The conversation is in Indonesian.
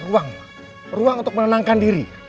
ruang ruang untuk menenangkan diri